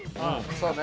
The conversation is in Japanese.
そうね。